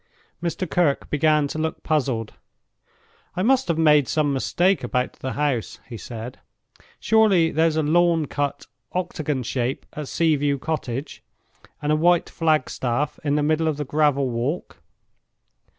Mr. Kirke began to look puzzled. "I must have made some mistake about the house," he said. "Surely there's a lawn cut octagon shape at Sea view Cottage, and a white flag staff in the middle of the gravel walk?"